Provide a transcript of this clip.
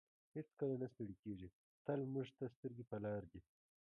هېڅکله نه ستړی کیږي تل موږ ته سترګې په لار دی.